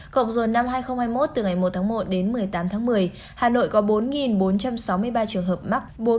cộng dồn năm hai nghìn hai mươi một từ ngày một tháng một đến một mươi tám tháng một mươi hà nội có bốn bốn trăm sáu mươi ba trường hợp mắc